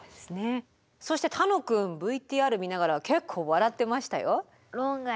そして楽くんＶＴＲ見ながら結構笑ってましたよ。